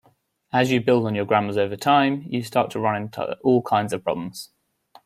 As you build on your grammars over time, you start to run into all kinds of problems.